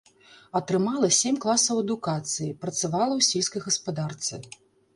Атрымала сем класаў адукацыі, працавала ў сельскай гаспадарцы.